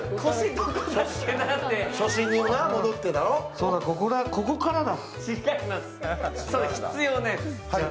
そうだ、ここだ、ここからだ。